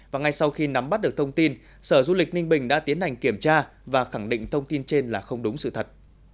và ngay sau khi nắm bắt được thông tin sở du lịch ninh bình đã tiến hành kiểm tra và khẳng định thông tin trên là không đúng sự thật